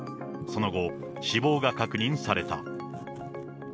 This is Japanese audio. その後、死亡が確認された。